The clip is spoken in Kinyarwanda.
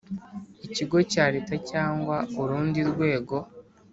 ikigo cya Leta cyangwa urundi rwego